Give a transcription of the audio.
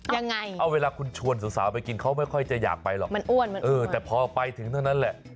ยังไงเอาเวลาคุณชวนสาวไปกินเขาไม่ค่อยจะอยากไปหรอกมันอ้วนเหมือนกันเออแต่พอไปถึงเท่านั้นแหละ